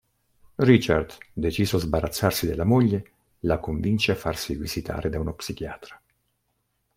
Richard, deciso a sbarazzarsi della moglie, la convince a farsi visitare da uno psichiatra.